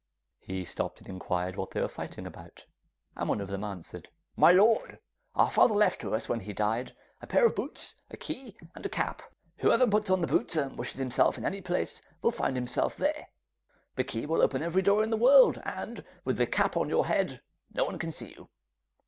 He stopped and inquired what they were fighting about, and one of them answered: 'My lord! our father left to us, when he died, a pair of boots, a key, and a cap. Whoever puts on the boots and wishes himself in any place, will find himself there. The key will open every door in the world, and with the cap on your head no one can see you.